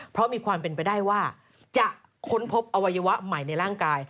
เพราะมีความเป็นไปได้ว่าจะค้นพบอวัยวะใหม่ในร่างกาย